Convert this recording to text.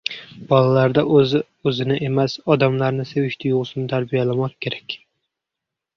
Bolalarda o‘z-o‘zini emas, odamlarni sevish tuyg‘usini tarbiyalamoq kerak.